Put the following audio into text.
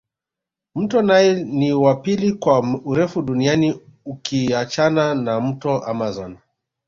Mto nile ni wa pili kwa urefu duniani ukiachana na mto amazon